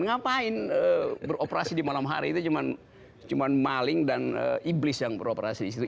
ngapain beroperasi di malam hari itu cuma maling dan iblis yang beroperasi di situ